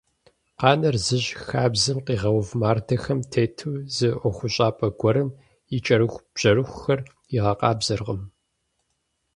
Къанэр зыщ - хабзэм къигъэув мардэхэм тету зы ӀуэхущӀапӀэ гуэрым и кӀэрыхубжьэрыхухэр игъэкъабзэркъым!